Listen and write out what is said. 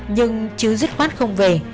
nhưng chứ dứt khoát không về